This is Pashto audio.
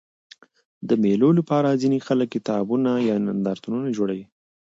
د مېلو له پاره ځيني خلک کتابتونونه یا نندارتونونه جوړوي.